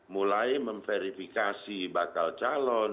mulai memverifikasi bakal calon